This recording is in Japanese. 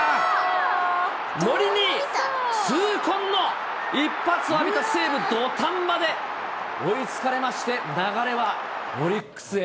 森に痛恨の一発を浴びた西武、土壇場で追いつかれまして、流れはオリックスへ。